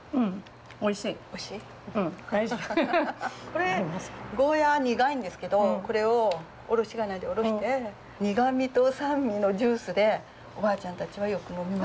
これゴーヤ苦いんですけどこれをおろし金でおろして苦みと酸味のジュースでおばあちゃんたちはよく飲みます。